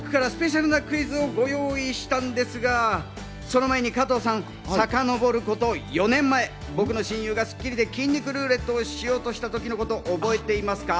そして今日は僕からスペシャルなクイズをご用意したんですが、その前に加藤さん、さかのぼること４年前、僕の親友が『スッキリ』で筋肉ルーレットをしようとした時のことを覚えていますか？